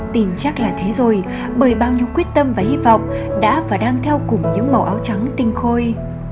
tin chắc là thế rồi bởi bao nhiêu quyết tâm và hy vọng đã và đang theo cùng những màu áo trắng tinh khôi